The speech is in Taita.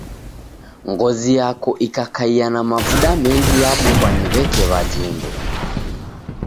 Ngozi yako ikakaia na mavuda mengi yabukwa ni w'eke wajumbe.